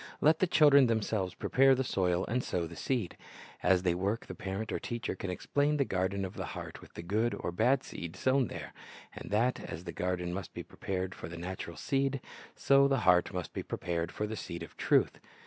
Let the children themselves prepare the soil and sow the seed. As they work, the parent or teacher can explain the garden of the heart with the good or bad seed sown there, and that as the garden must be prepared for the natural seed, so the heart must be prepared for the seed of truth.